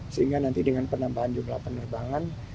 sehingga nanti dengan penambahan jumlah penerbangan